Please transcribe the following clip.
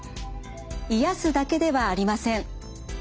癒やすだけではありません。